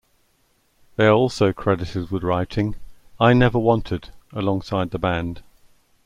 They are also credited with writing "I Never Wanted" alongside the band.